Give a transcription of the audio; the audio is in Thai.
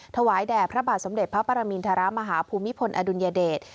ถวายแด่พระบาทสมเด็จพระปรมินทรมาฮภูมิพลอดุลยเดช